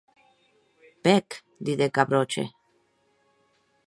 Pèc, didec Gavroche.